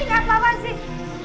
gak apa apa sih